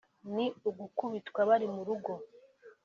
ni ugukubitwa bari mu rugo